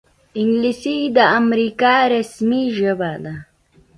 انګلیسي د امریکا رسمي ژبه ده